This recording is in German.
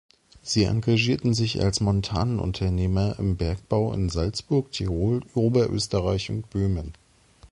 Sie engagierten sich als Montanunternehmer im Bergbau in Salzburg, Tirol, Oberösterreich und Böhmen.